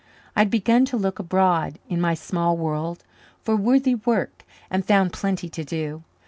I had begun to look abroad in my small world for worthy work and found plenty to do.